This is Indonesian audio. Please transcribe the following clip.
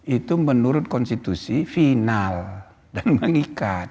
itu menurut konstitusi final dan mengikat